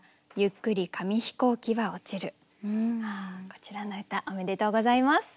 こちらの歌おめでとうございます。